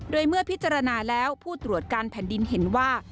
โดยเมื่อพิจารณาแล้วผู้ตรวจการแผ่นดินเห็นว่า